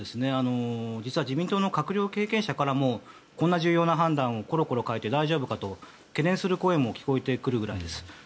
自民党の閣僚経験者からもこんな重要な判断を大丈夫かと懸念する声も聞こえてくるぐらいです。